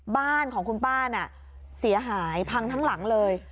บ้านของคุณป้าน่ะเสียหายพังทั้งหลังเลย